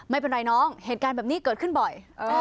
ไม่เป็นไรน้องเหตุการณ์แบบนี้เกิดขึ้นบ่อย